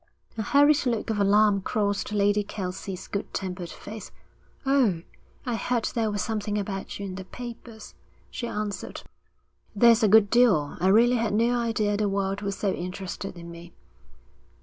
A hurried look of alarm crossed Lady Kelsey's good tempered face. 'Oh, I heard there was something about you in the papers,' she answered. 'There's a good deal. I really had no idea the world was so interested in me.'